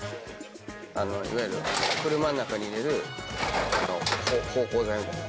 いわゆる車の中に入れる芳香剤みたいな。